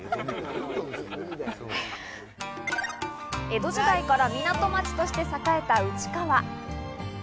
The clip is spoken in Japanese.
江戸時代から港町として栄えた内川。